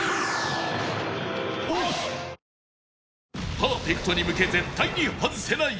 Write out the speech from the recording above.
パーフェクトに向け絶対に外せない